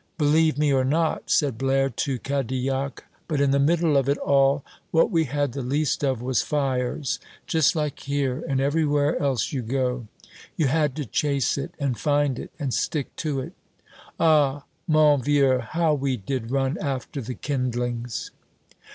"Believe me or not," said Blaire to Cadilhac, "but in the middle of it all, what we had the least of was fires, just like here and everywhere else you go. You had to chase it and find it and stick to it. Ah, mon vieux, how we did run after the kindlings!"